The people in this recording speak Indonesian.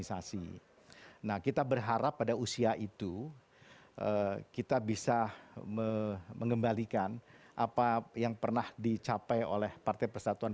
jangan lupa untuk berikan duit kepada tuhan